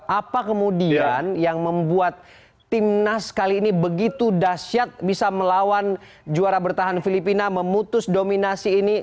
apa kemudian yang membuat timnas kali ini begitu dasyat bisa melawan juara bertahan filipina memutus dominasi ini